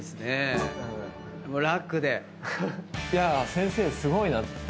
先生すごいなって。